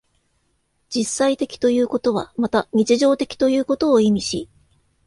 実際的ということはまた日常的ということを意味し、